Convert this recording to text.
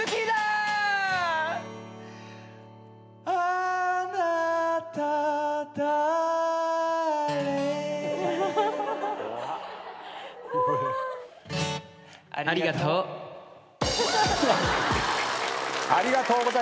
ありがとう。